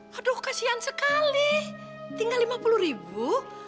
hah aduh kasihan sekali tinggal lima puluh ribu